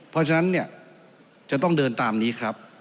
เพราะฉะนั้นเนี่ยจะต้องเดินตามนี้ครับ